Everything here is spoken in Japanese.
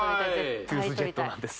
トゥースジェットなんです